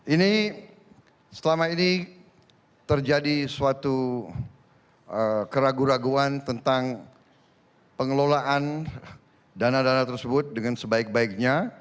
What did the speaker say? ini selama ini terjadi suatu keraguan keraguan tentang pengelolaan dana dana tersebut dengan sebaik baiknya